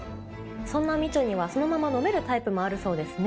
そんな美酢にはそのまま飲めるタイプもあるそうですね。